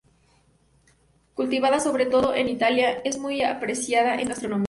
Cultivada sobre todo en Italia, es muy apreciada en gastronomía.